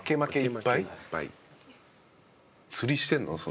釣りしてるの？